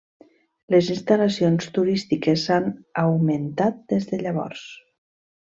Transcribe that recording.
Les instal·lacions turístiques s'han augmentat des de llavors.